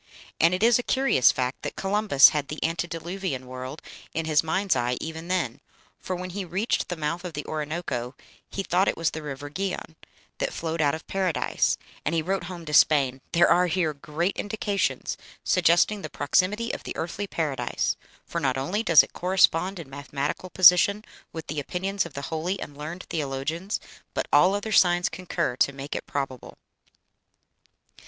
And it is a curious fact that Columbus had the antediluvian world in his mind's eye even then, for when he reached the mouth of the Orinoco he thought it was the river Gihon, that flowed out of Paradise, and he wrote home to Spain, "There are here great indications suggesting the proximity of the earthly Paradise, for not only does it correspond in mathematical position with the opinions of the holy and learned theologians, but all other signs concur to make it probable."